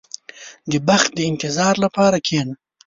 • د بخت د انتظار لپاره کښېنه.